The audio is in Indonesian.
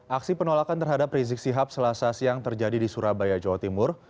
aksi penolakan terhadap rizik sihab selasa siang terjadi di surabaya jawa timur